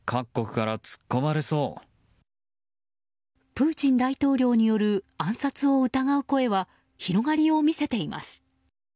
プーチン大統領による暗殺を疑う声は広がりを見せています。